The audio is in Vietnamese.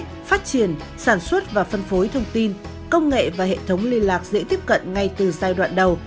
phát triển sản xuất và phân phối thông tin công nghệ và hệ thống liên lạc dễ tiếp cận ngay từ giai đoạn đầu